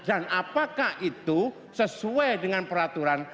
apakah itu sesuai dengan peraturan